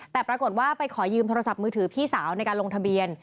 แต่ปรากฏว่าไปขอยืมโทรศัพท์มือถือพี่สาวในการลงทะเบียน